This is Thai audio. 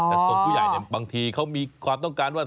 แต่ทรงผู้ใหญ่เนี่ยบางทีเขามีความต้องการว่า